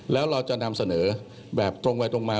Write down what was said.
แล้วเราจะนำเสนอแบบตรงไปตรงมา